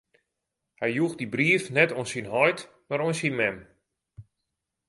Hy joech dy brief net oan syn heit, mar oan syn mem.